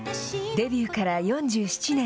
デビューから４７年。